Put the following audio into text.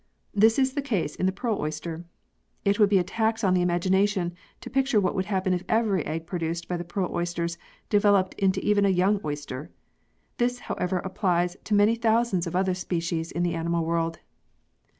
This is the case in the pearl oyster. It would be a tax on the imagination to picture what would happen if every egg produced by the pearl oysters developed into even a young oyster. This, however, applies to many thousands of other species in the animal world.